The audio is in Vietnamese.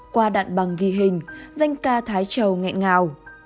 qua đạn bằng ghi hình danh ca thái chầu ngẹn ngào